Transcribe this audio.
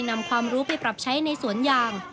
นำความรู้ไปปรับใช้ในสวนยาง